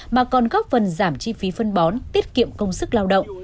mà còn góp phần giảm chi phí phân bón tiết kiệm công sức lao động